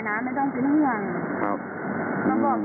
เหมือนกับทุกครั้งกลับบ้านมาอย่างปลอดภัย